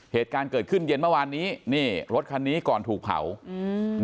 เหตุการณ์เกิดขึ้นเย็นเมื่อวานนี้นี่รถคันนี้ก่อนถูกเผาอืม